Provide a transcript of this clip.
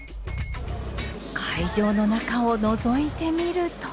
会場の中をのぞいてみると。